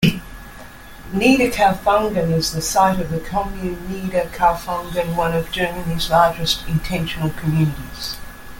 Niederkaufungen is the site of the Kommune Niederkaufungen, one of Germany's largest intentional communities.